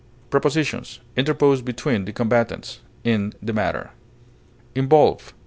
Prepositions: Interpose between the combatants; in the matter. INVOLVE.